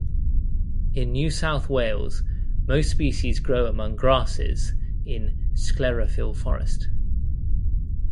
In New South Wales, most species grow among grasses in sclerophyll forest.